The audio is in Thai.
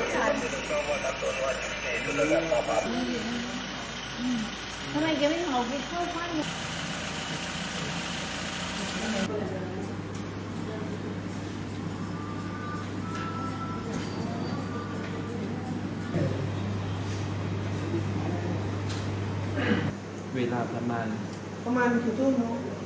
สวัสดีครับทุกคน